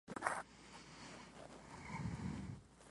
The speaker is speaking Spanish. El cholet es un estilo arquitectónico andino desarrollado en Bolivia.